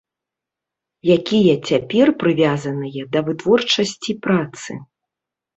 Якія цяпер прывязаныя да вытворчасці працы.